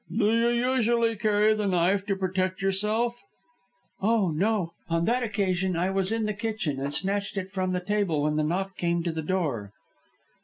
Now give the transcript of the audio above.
"Did you usually carry the knife to protect yourself?" "Oh, no! On that occasion I was in the kitchen, and snatched it from the table when the knock came to the door."